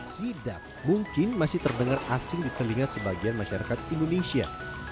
sidap mungkin masih terdengar asing di telinga sebagian masyarakat indonesia